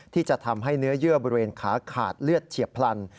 ที่จะทำให้เนื้อเยื่อบริเวณขาขาดเลือดเฉียบพลัน